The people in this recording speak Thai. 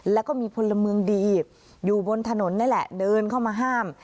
แล้วก็มีพลเมืองดีอยู่บนถนนนี่แหละเดินเข้ามาห้าม